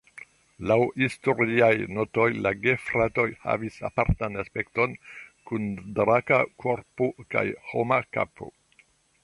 Laŭ historiaj notoj la gefratoj havis apartan aspekton kun draka korpo kaj homa kapo.